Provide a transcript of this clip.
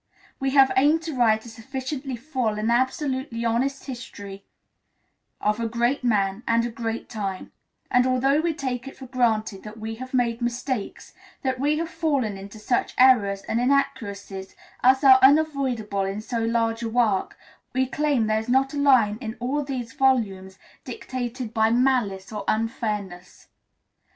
We have aimed to write a sufficiently full and absolutely honest history of a great man and a great time; and although we take it for granted that we have made mistakes, that we have fallen into such errors and inaccuracies as are unavoidable in so large a work, we claim there is not a line in all these volumes dictated by malice or unfairness.